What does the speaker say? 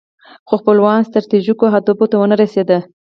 خو خپلو ستراتیژیکو اهدافو ته ونه رسید.